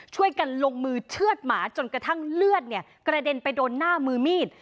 ช่วยกันลงมือเชื่อดหมาจนกระทั่งเลือดกระเด็นไปโดนหน้ามือมีด